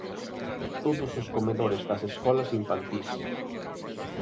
¡Todos os comedores das escolas infantís!